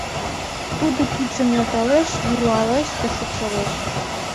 Тудо кидшым нӧлталеш, руалеш да шупшылеш...